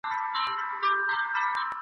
خو هېر کړی هر یوه وروستی ساعت وي ..